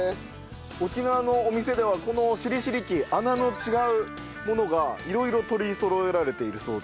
沖縄のお店ではこのしりしり器穴の違うものが色々取りそろえられているそうで。